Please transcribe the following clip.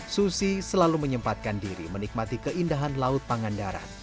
susi selalu menyempatkan diri menikmati keindahan laut pangandaran